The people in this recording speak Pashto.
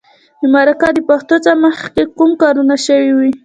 د مرکه د پښتو څخه مخکې کوم کارونه شوي وي.